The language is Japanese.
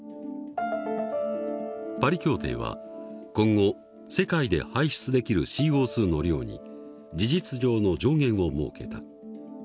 パリ協定は今後世界で排出できるＣＯの量に事実上の上限を設けた。